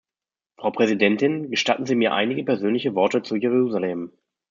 Frau Präsidentin, gestatten Sie mir einige persönliche Worte zu Jerusalem.